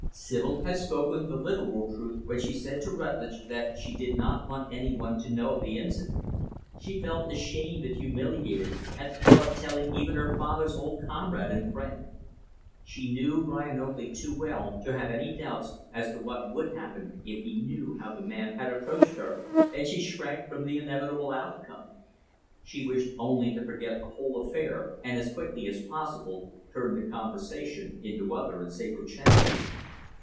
Sibyl had spoken the literal truth when she said to Rutlidge, that she did not want any one to know of the incident. She felt ashamed and humiliated at the thought of telling even her father's old comrade and friend. She knew Brian Oakley too well to have any doubts as to what would happen if he knew how the man had approached her, and she shrank from the inevitable outcome. She wished only to forget the whole affair, and, as quickly as possible, turned the conversation into other and safer channels.